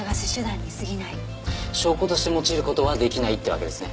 証拠として用いる事は出来ないってわけですね？